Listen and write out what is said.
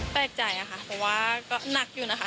แปลกใจค่ะเพราะว่าก็หนักอยู่นะคะ